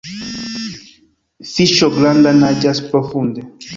Fiŝo granda naĝas profunde.